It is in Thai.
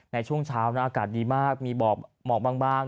ในช่วงเช้าอากาศดีมากมีหมอกบาง